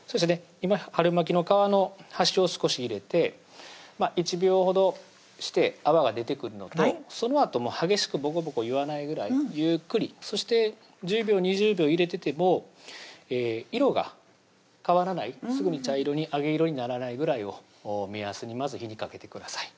今春巻きの皮の端を少し入れて１秒ほどして泡が出てくるのとそのあとも激しくボコボコいわないぐらいゆっくりそして１０秒２０秒入れてても色が変わらないすぐに茶色に揚げ色にならないぐらいを目安にまず火にかけてください